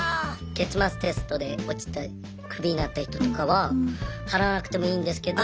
月末テストで落ちてクビになった人とかは払わなくてもいいんですけど。